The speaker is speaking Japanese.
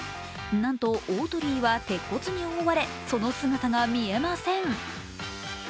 なんと大鳥居は鉄骨に覆われその姿が見えません。